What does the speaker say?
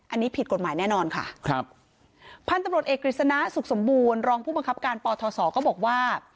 อันนี้ผิดกฎหมายแน่นอนค่ะครับพันธุ์ตำรวจเอกกฤษณะสุขสมบูรณ์รองผู้บังคับการปทศก็บอกว่า